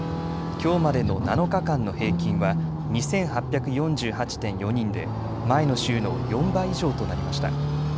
きょうまでの７日間の平均は２８４８．４人で前の週の４倍以上となりました。